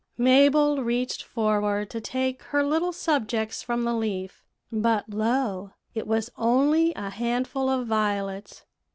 "Mabel reached forward to take her little subjects from the leaf; but lo, it was only a handful of violets.